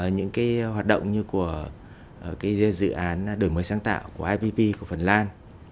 những hoạt động như của dự án đổi mới sáng tạo của ipp của phần lan